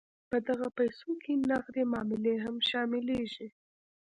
په دغه پیسو کې نغدې معاملې هم شاملیږي.